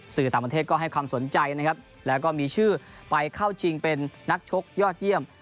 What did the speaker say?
สื่อต่างประเทศก็ให้ความสนใจนะครับแล้วก็มีชื่อไปเข้าชิงเป็นนักชกยอดเยี่ยม